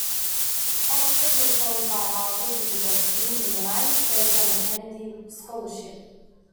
Oxford was followed by Harvard University in the United States, on a Kennedy Scholarship.